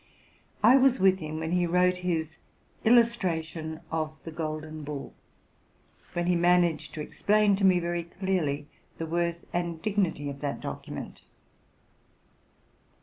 I was with him when he wrote his '+ Illustration of the Golden 150 TRUTH AND FICTION Bull,'' when he managed to explain to me very clearly the worth and dignity of that document.